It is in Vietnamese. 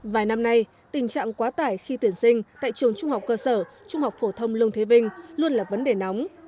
vài năm nay tình trạng quá tải khi tuyển sinh tại trường trung học cơ sở trung học phổ thông lương thế vinh luôn là vấn đề nóng